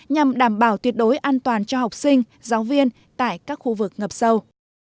nhằm đảm bảo tuyệt đối an toàn cho học sinh giáo viên tại các khu vực ngập sâu